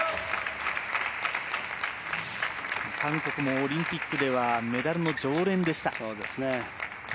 韓国もオリンピックではメダルの常連でした。